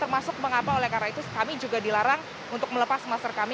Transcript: termasuk mengapa oleh karena itu kami juga dilarang untuk melepas masker kami